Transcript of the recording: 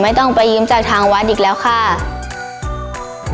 ทางโรงเรียนยังได้จัดซื้อหม้อหุงข้าวขนาด๑๐ลิตร